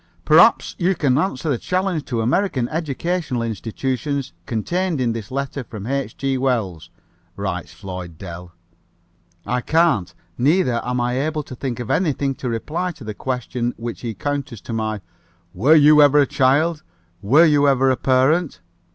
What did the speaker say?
"Perhaps you can answer the challenge to American educational institutions contained in this letter from H. G. Wells," writes Floyd Dell. "I can't (neither am I able to think of anything to reply to the question which he counters to my 'Were You Ever a Child?' 'Were You Ever a Parent?'